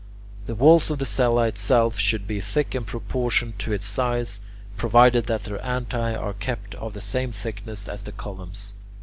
The walls of the cella itself should be thick in proportion to its size, provided that their antae are kept of the same thickness as the columns.